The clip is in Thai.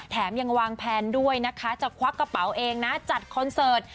แถมยังวางแผนด้วยนะคะจะควักกระเป๋าเองนะจัดคอนเสิร์ต